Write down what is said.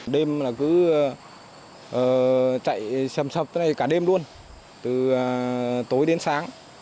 đêm là cứ chạy sầm sập cả đêm luôn từ tối đến sáng